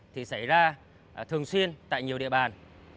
thì xảy ra thường xuyên tại nhiều địa bàn